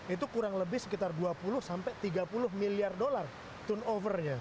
itu kurang lebih sekitar dua puluh sampai tiga puluh miliar dolar turnovernya